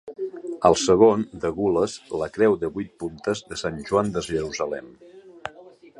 Al segon, de gules, la creu de vuit puntes de Sant Joan de Jerusalem.